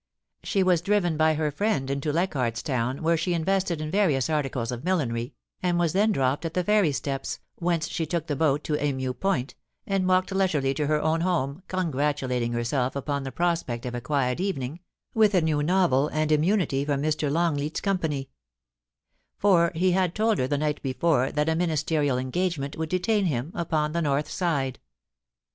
She was driven by her friend into Leichardf s Town, where she invested in various articles of millinery, and was then dropped at the ferry steps, whence she took the boat to Emu Point, and walked leisurely to her own home, con gratulating herself upon the prospect of a quiet evening, with a new novel and immunity from Mr. Longleat^s com pany — for he had told her the night before that a ministerial engagement would detain him upon the north side.